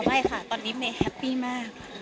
ไม่ค่ะตอนนี้เมย์แฮปปี้มาก